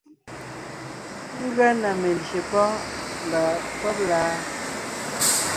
Ngʉa na melyè pɔ́ɔn mba pɔ́b la.